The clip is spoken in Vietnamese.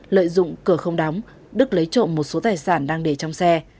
lợi dụng cửa không đóng đức lấy trộm một số tài sản đang để trong xe